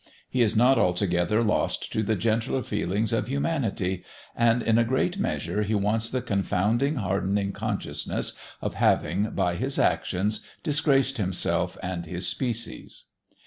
He is not altogether lost to the gentler feelings of humanity, and, in a great measure, he wants the confounding hardening consciousness of having, by his actions, disgraced himself and his species.